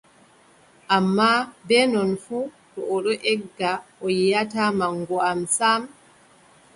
Ammaa, bee non fuu, to o ɗon egga, o yiʼataa maŋgu am sam,